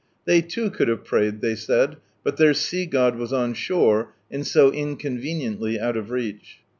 They too could have prayed, they said, but their sea god was on shore, and so incon veniently out of reach.